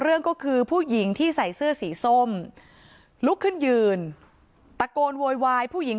เรื่องก็คือผู้หญิงที่ใส่เสื้อสีส้มลุกขึ้นยืนตะโกนโวยวายผู้หญิง